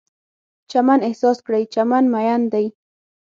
چمن احساس کړئ، چمن میین دی